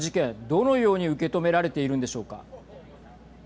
どのように受け止められているのでしょうか。